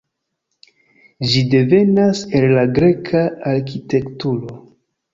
Ĝi devenas el la greka arkitekturo.